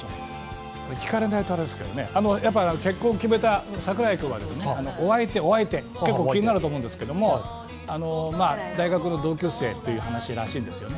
結婚を決めた櫻井君はお相手、気になると思うんですけど大学の同級生という話らしいです。